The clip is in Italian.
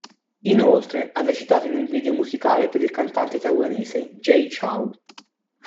Inoltre, ha recitato in un video musicale per il cantante taiwanese Jay Chou.